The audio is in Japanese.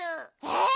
え？